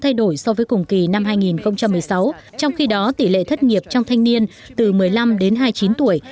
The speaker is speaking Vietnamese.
thay đổi so với cùng kỳ năm hai nghìn một mươi sáu trong khi đó tỷ lệ thất nghiệp trong thanh niên từ một mươi năm đến hai mươi chín tuổi